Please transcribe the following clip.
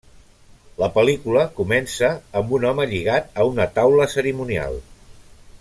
La pel·lícula comença amb un home lligat a una taula cerimonial.